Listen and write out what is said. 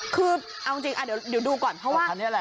คือเอาจริงเดี๋ยวดูก่อนเพราะว่า